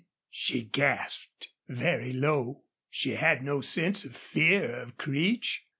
she gasped, very low. She had no sense of fear of Creech.